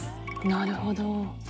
なるほど。